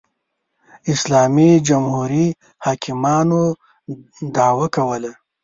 اسلامي جمهوري حاکمانو دعوا وکړه